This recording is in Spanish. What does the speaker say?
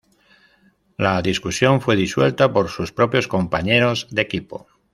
La discusión fue disuelta por sus propios compañeros de equipo.